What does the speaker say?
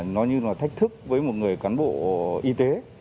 nó như là thách thức với một người cán bộ y tế